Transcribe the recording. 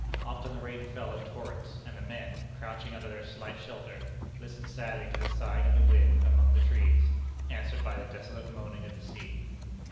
Often the rain fell in torrents, and the men, crouching under their slight shelter, listened sadly to the sighing of the wind among the trees, answered by the desolate moaning of the sea.